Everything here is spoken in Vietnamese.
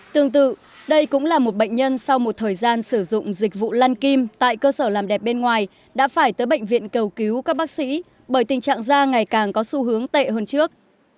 tương tự đây cũng là một bệnh nhân sau một thời gian sử dụng dịch vụ lan kim tại cơ sở làm đẹp bên ngoài đã phải tới bệnh viện cầu cứu các bác sĩ bởi tình trạng da ngày càng có xu hướng tệ hơn trước